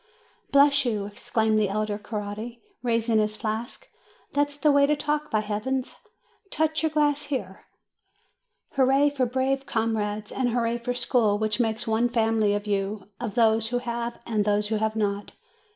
"Bless you!" exclaimed the elder Coretti, raising his flask ; "that's the way to talk, by Heavens ! Touch your glass here! Hurrah for brave comrades, and hurrah for school, which makes one family of you, of those who have and those who have not!"